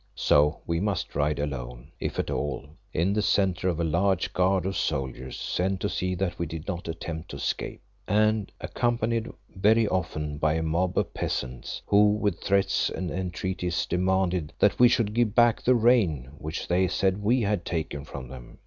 So we must ride alone, if at all, in the centre of a large guard of soldiers sent to see that we did not attempt to escape, and accompanied very often by a mob of peasants, who with threats and entreaties demanded that we should give back the rain which they said we had taken from them.